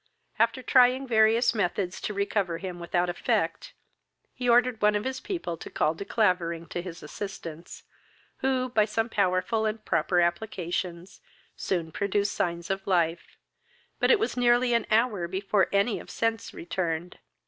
After trying various methods to recover him without effect, he ordered one of his people to call De Clavering to his assistance, who, by some powerful and proper applications, soon produced signs of life, but it was near an hour before any of sense returned.